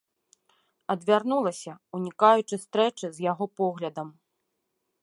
Адвярнулася, унікаючы стрэчы з яго поглядам.